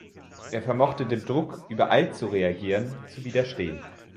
Er vermochte dem Druck, übereilt zu reagieren, zu widerstehen.